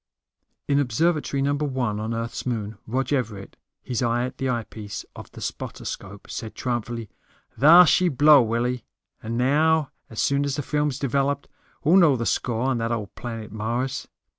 In Observatory No. 1 on Earth's moon, Rog Everett, his eye at the eyepiece of the spotter scope, said triumphantly, "Thar she blew, Willie. And now, as soon as the films are developed, we'll know the score on that old planet Mars."